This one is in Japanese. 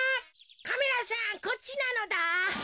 カメラさんこっちなのだ。